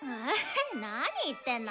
なに言ってんの！